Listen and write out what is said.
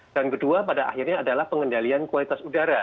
dan kedua pada akhirnya adalah pengendalian kualitas udara